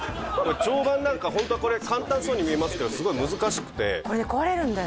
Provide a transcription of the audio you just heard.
蝶番なんかホントはこれ簡単そうに見えますけどすごい難しくてこれね壊れるんだよ